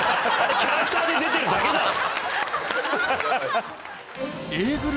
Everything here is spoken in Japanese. キャラクターで出てるだけだわ！